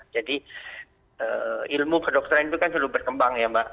jadi ilmu kedokteran itu kan selalu berkembang ya mbak